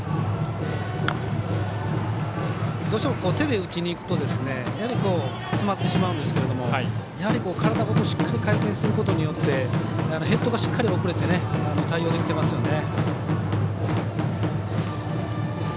どうしても手で打ちにいくと詰まってしまうんですけどやはり、体ごとしっかり回転することによってヘッドがしっかり送れて対応できていますよね。